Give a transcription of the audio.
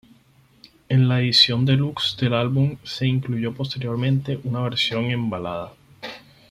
En la edición deluxe del álbum se incluyó posteriormente una versión en balada.